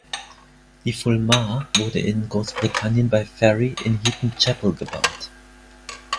Die Fulmar wurde in Großbritannien bei Fairey in Heaton Chapel gebaut.